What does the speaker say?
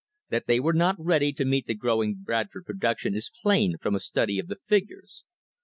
That they were not ready to meet the growing Bradford production is plain from a study of the figures.